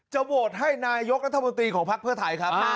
โหวทให้นายกรัฐบนตรีของพรรคเพื่อไทยครับ